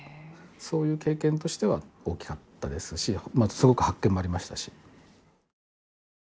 そういう経験としては大きかったですしすごく発見もありましたし。